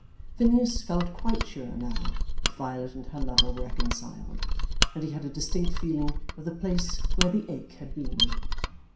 Phineas felt quite sure now that Violet and her lover were reconciled, and he had a distinct feeling of the place where the ache had been.